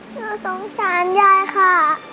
หนูสงสารยายค่ะ